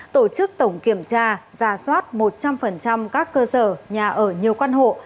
tổ chức tổng kiểm tra giả soát một trăm linh các cơ sở nhà ở nhiều căn hộ